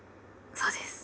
そうです。